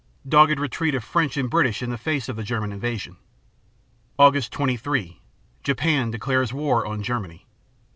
Dogged retreat of French and British in the face of the German invasion. Aug. 23 Japan declares war on Germany.